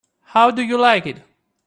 How do you like it?